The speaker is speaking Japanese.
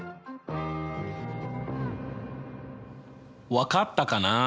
分かったかな？